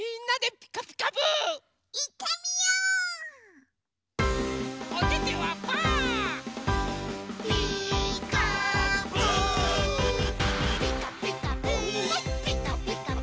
「ピカピカブ！ピカピカブ！」